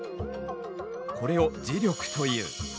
これを磁力という。